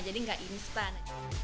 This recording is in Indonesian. jadi gak instan